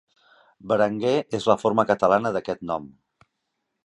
Berenguer és la forma catalana d'aquest nom.